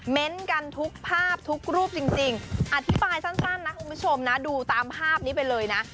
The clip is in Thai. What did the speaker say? กันทุกภาพทุกรูปจริงอธิบายสั้นนะคุณผู้ชมนะดูตามภาพนี้ไปเลยนะ